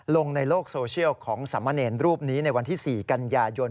ลงในโลกโซเชียลของสามเณรรูปนี้ในวันที่๔กันยายน